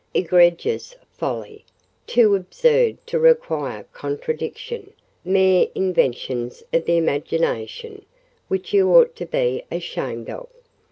"Egregious folly—too absurd to require contradiction—mere inventions of the imagination, which you ought to be ashamed of.